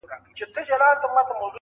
چي زه او ته راضي، څه او څه غيم د قاضي.